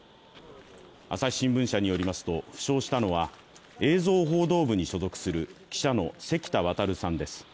朝日新聞社によりますと負傷したのは映像報道部に所属する記者の関田航さんです。